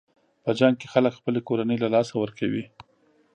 په جنګ کې خلک خپلې کورنۍ له لاسه ورکوي.